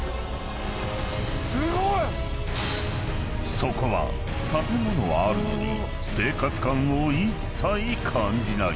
［そこは建物はあるのに生活感を一切感じない］